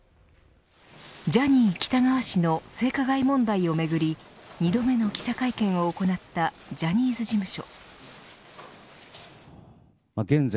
ジャニー喜多川氏の性加害問題をめぐり２度目の記者会見を行ったジャニーズ事務所。